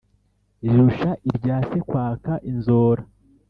Rirusha irya se kwaka inzora.